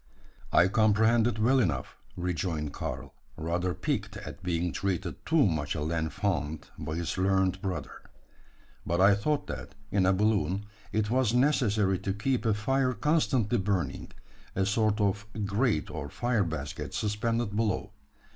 "I comprehend it well enough," rejoined Karl, rather piqued at being treated too much a l'enfant by his learned brother. "But I thought that, in a balloon, it was necessary to keep a fire constantly burning a sort of grate or fire basket suspended below.